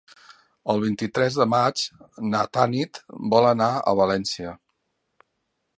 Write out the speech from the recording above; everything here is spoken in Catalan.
El vint-i-tres de maig na Tanit vol anar a València.